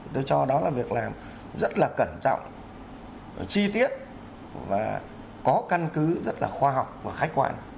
tôi cho đó là việc làm rất là cẩn trọng chi tiết và có căn cứ rất là khoa học và khách quan